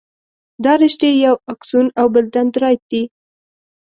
دا رشتې یو اکسون او بل دنداریت دي.